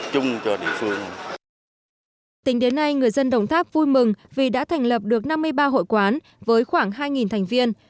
tính đến nay người dân đồng tháp vui mừng vì đã thành lập được năm mươi ba hội quán với khoảng hai thành viên